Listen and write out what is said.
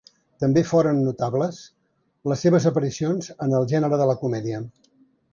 També foren notables les seves aparicions en el gènere de la comèdia.